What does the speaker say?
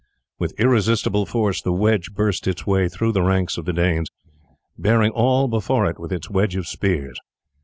With irresistible force the wedge burst its way through the ranks of the Danes, bearing all before it with its wedge of spears.